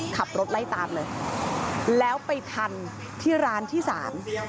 ขับรถไล่ตามเลยแล้วไปทันที่ร้านที่สาม